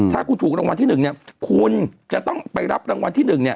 ถ้าถูกรางวัลที่๑คุณจะต้องไปรับรางวัลที่๑